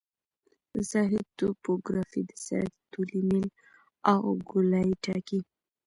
د ساحې توپوګرافي د سرک طولي میل او ګولایي ټاکي